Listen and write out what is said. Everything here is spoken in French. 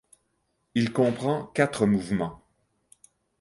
Il comprend quatre mouvements.